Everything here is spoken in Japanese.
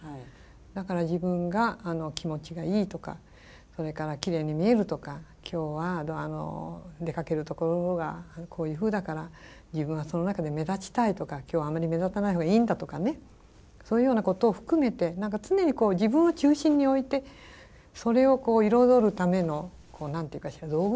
だから自分が気持ちがいいとかそれからきれいに見えるとか今日は出かけるところがこういうふうだから自分はその中で目立ちたいとか今日はあまり目立たないほうがいいんだとかねそういうようなことを含めて何か常に自分を中心に置いてそれを彩るためのこう何て言うかしら道具ですよね。